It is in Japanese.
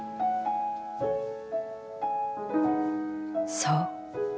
「そう。